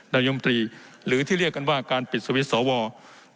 ดังยมตรีหรือที่เรียกกันว่าการปิดสวิทธิ์สอวร์